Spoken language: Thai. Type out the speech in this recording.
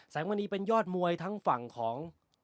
มณีเป็นยอดมวยทั้งฝั่งของ